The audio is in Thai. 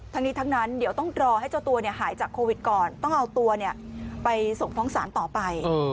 ทั้งนี้ทั้งนั้นเดี๋ยวต้องรอให้เจ้าตัวหายจากโควิดก่อนต้องเอาตัวไปส่งฟ้องศาลต่อไป